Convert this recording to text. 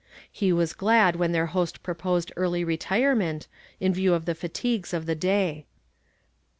He was glad when their liost pro posed early retirement, in view of the fatigues of the day.